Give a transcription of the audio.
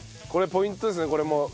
これポイントですねこれも。